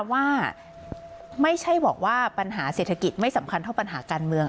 ว่าไม่ใช่บอกว่าปัญหาเศรษฐกิจไม่สำคัญเท่าปัญหาการเมือง